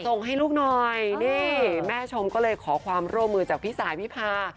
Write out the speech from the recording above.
ส่งให้ลูกหน่อยนี่แม่ชมก็เลยขอความร่วมมือจากพี่สายวิพา